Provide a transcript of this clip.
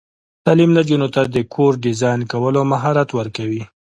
تعلیم نجونو ته د کور ډیزاین کولو مهارت ورکوي.